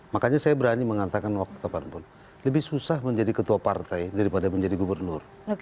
makanya saya berani mengatakan waktu kapanpun lebih susah menjadi ketua partai daripada menjadi gubernur